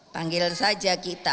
panggil saja kita